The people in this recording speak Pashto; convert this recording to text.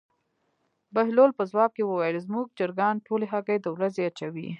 بهلول په ځواب کې وویل: زموږ چرګان ټولې هګۍ د ورځې اچوي.